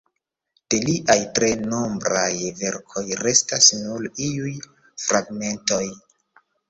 De liaj tre nombraj verkoj restas nur iuj fragmentoj.